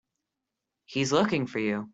He's looking for you.